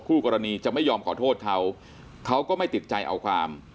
กรณีจะไม่ยอมขอโทษเขาเขาก็ไม่ติดใจเอาความ